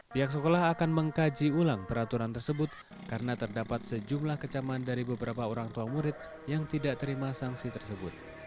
pihak sekolah akan mengkaji ulang peraturan tersebut karena terdapat sejumlah kecaman dari beberapa orang tua murid yang tidak terima sanksi tersebut